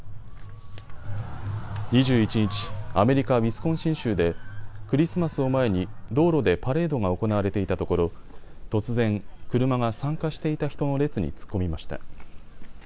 ２１日、アメリカウィスコンシン州でクリスマスを前に道路でパレードが行われていたところ突然、車が参加していた人の列に突っ込みました。